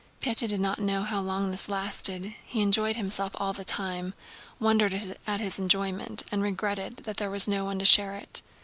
Pétya did not know how long this lasted: he enjoyed himself all the time, wondered at his enjoyment and regretted that there was no one to share it.